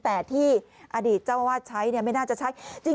แต่ที่อดีตเจ้าอาวาสใช้ไม่น่าจะใช้